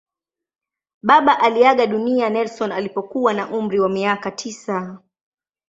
Baba aliaga dunia Nelson alipokuwa na umri wa miaka tisa.